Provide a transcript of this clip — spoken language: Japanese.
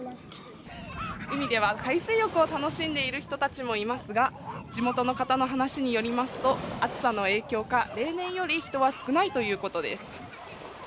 海では海水浴を楽しんでいる人たちもいますが、地元の方の話によりますと暑さの影響か、例年より人は少ないということです。